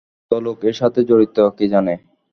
কত লোক এর সাথে জড়িত কে জানে।